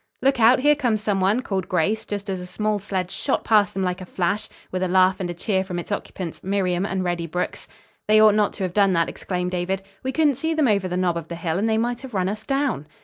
"Look out, here comes some one!" called Grace, just as a small sled shot past them like a flash, with a laugh and a cheer from its occupants, Miriam and Reddy Brooks. "They ought not to have done that," exclaimed David. "We couldn't see them over the knob of the hill and they might have run us down."